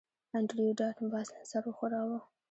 انډریو ډاټ باس سر وښوراوه